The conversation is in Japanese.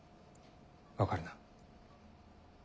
分かるな？